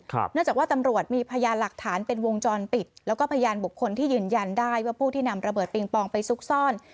เนื่องจากว่าตำรวจมีพยานหลักฐานเป็นวงจรปิดแล้วก็พยานบุคคลที่ยืนยันได้ว่าผู้ที่นำระเบิดปิงปองไปซุกซ่อน